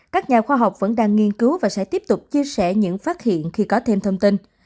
các nhà khoa học vẫn đang nghiên cứu và sẽ tiếp tục chia sẻ những phát hiện khi có thêm thông tin